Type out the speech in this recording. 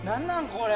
これ。